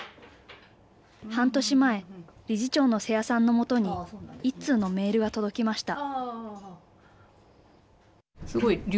半年前理事長の瀬谷さんの元に１通のメールが届きました。